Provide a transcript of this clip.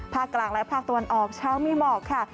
กลางและภาคตะวันออกเช้ามีหมอกค่ะ